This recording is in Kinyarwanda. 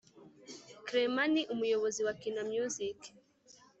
Clement ni umuyobozi wakina music